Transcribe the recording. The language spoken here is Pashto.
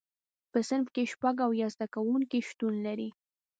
په صنف کې شپږ اویا زده کوونکي شتون لري.